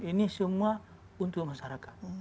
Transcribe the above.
ini semua untuk masyarakat